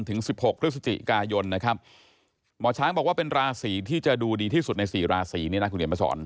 ถึง๑๖พฤศจิกายนหมอช้างบอกว่าเป็นราศีที่จะดูดีที่สุดใน๔ราศีนี้นะครับ